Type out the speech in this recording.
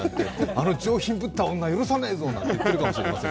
あの上品ぶった女、許さねえぞ！なんて言ってるかもしれません。